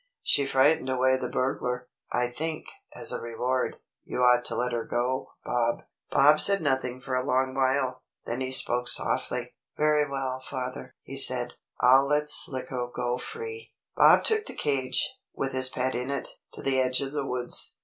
"She frightened away the burglar. I think, as a reward, you ought to let her go, Bob." Bob said nothing for a long while. Then he spoke softly. "Very well, father," he said. "I'll let Slicko go free!" Bob took the cage, with his pet in it, to the edge of the woods.